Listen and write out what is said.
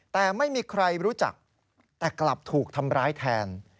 แต่ไม่มีใครรู้จักแต่กลับถูกทำร้ายแทน